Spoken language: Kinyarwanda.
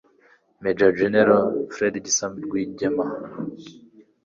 major general fred gisa rwigema